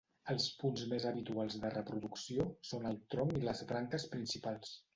Els punts més habituals de reproducció són el tronc i les branques principals.